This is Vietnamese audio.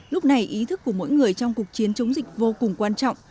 lúc này ý thức của mỗi người trong cuộc chiến chống dịch vô cùng quan trọng